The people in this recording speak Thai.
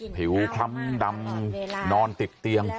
ผิวคล้ำดำนอนติดเตียง